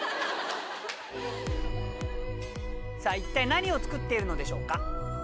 さぁ一体何を作っているのでしょうか？